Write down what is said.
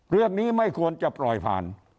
เรื่องนี้ไม่ควรจะปล่อยผ่าน